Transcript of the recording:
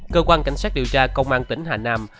cơ quan cảnh sát điều tra công an tỉnh hà nam